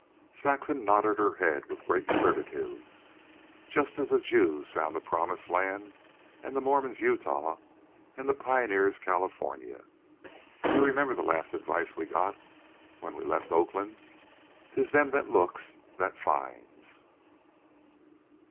Saxon nodded her head with great certitude. "Just as the Jews found the promised land, and the Mormons Utah, and the Pioneers California. You remember the last advice we got when we left Oakland? 'Tis them that looks that finds.'"